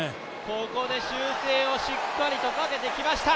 ここで修正をしっかりとかけてきました。